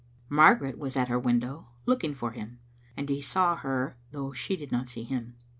Margaret was at her window, looking for him, and he saw her though she did not see him.